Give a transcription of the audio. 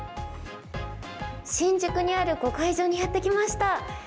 新宿にある碁会所にやって来ました。